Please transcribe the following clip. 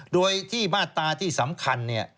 โดยที่มาตราที่สำคัญเนี่ย